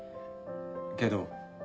けど